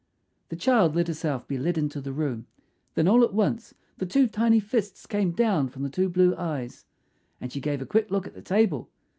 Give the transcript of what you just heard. The child let herself be led into the room; then all at once the two tiny fists came down from the two blue eyes, and she gave a quick look at the table.